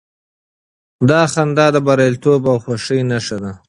دا خندا د برياليتوب او خوښۍ نښه وه.